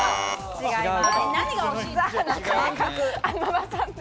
違います。